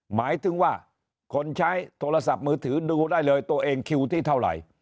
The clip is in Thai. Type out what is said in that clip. หมายถึงว่าคนใช้โทรศัพท์มือถือดูได้เลยตัวเองคิวที่เท่าไหร่